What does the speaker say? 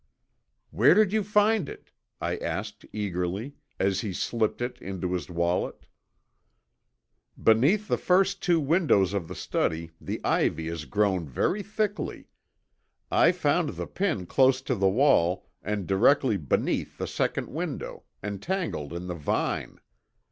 "Where did you find it?" I asked eagerly, as he slipped it into his wallet. "Beneath the first two windows of the study the ivy has grown very thickly. I found the pin close to the wall and directly beneath the second window, entangled in the vine.